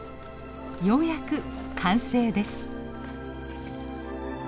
ようやく完成です。